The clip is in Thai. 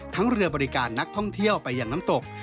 เรือบริการนักท่องเที่ยวไปอย่างน้ำตก